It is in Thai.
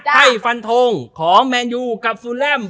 ให้ฟันทงของแมนยูกับซูแลม